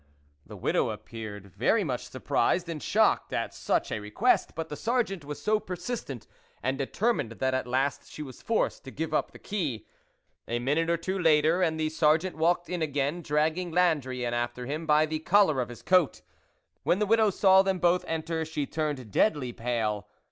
The widow appeared very much surprised and shocked at such a re quest, but the Sergeant was so persistent and determined that at last she was forced to give up the key. A minute or two later, and the Sergeant walked in again, dragging Landry in after him by the col lar of his coat. When the widow saw them both enter, she turned deadly pale.